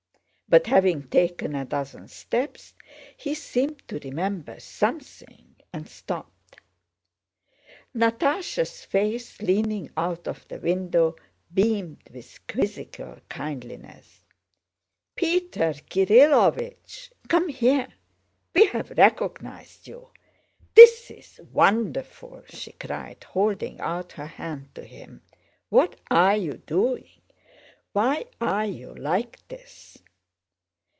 But having taken a dozen steps he seemed to remember something and stopped. Natásha's face, leaning out of the window, beamed with quizzical kindliness. "Peter Kirílovich, come here! We have recognized you! This is wonderful!" she cried, holding out her hand to him. "What are you doing? Why are you like this?"